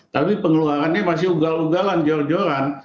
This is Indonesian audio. tapi pengeluarannya masih ugal ugalan jor joran